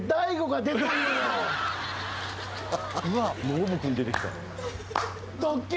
ノブ君出てきた。